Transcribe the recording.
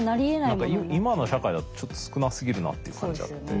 何か今の社会だとちょっと少なすぎるなっていう感じあって。